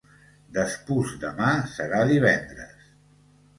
Despús-demà serà divendres.